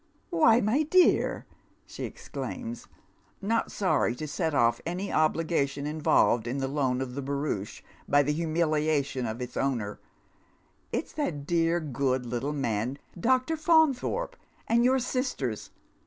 " Why, my dear," she exclaims, not sorry to set o£E any obliga tion involved in the loan of the barouche by the humiliation of its owner, " it's that dear, good httle man. Dr. Faunthorpe, and your sisters.